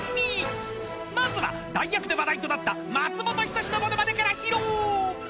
［まずは代役で話題となった松本人志のモノマネから披露］